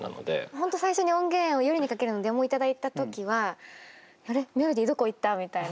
本当最初に音源「夜に駆ける」のデモを頂いた時はあれメロディーどこいった？みたいな。